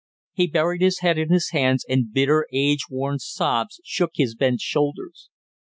He buried his head in his hands and bitter age worn sobs shook his bent shoulders.